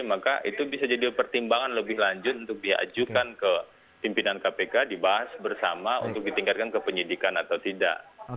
maka itu bisa jadi pertimbangan lebih lanjut untuk diajukan ke pimpinan kpk dibahas bersama untuk ditingkatkan ke penyidikan atau tidak